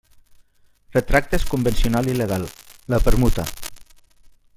Retractes convencional i legal: la permuta.